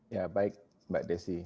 ya baik mbak desi